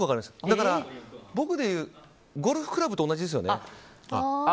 だから、僕でいうゴルフクラブと同じですよね。